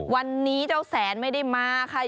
วันนี้เจ้าแสนไม่ได้มาค่ะ